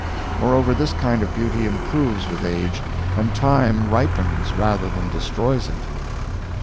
Moreover this kind of beauty improves with age, and time ripens rather than destroys it.